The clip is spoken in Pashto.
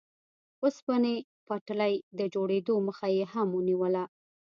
اوسپنې پټلۍ د جوړېدو مخه یې هم نیوله.